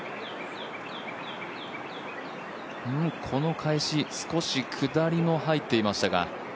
この返し、少し下りも入っていましたが。